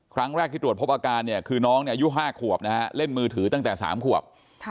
ครั้งแรกที่ตรวจพบอาการเนี่ยคือน้องอายุ๕ขวบนะฮะเล่นมือถือตั้งแต่๓ขวบ